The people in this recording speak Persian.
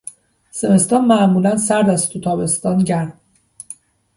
زمستان معمولا سرد است و تابستان گرم.